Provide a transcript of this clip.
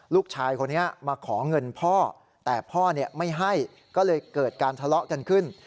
ลูกชายคนนี้มาขอเงินพ่อแต่พ่อไม่ให้ก็เลยเกิดการทะเลาะกันขึ้น